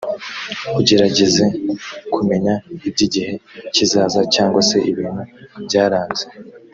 ugerageze kumenya iby igihe kizaza cyangwa se ibintu byaranze